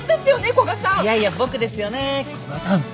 古賀さん。